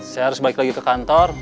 saya harus balik lagi ke kantor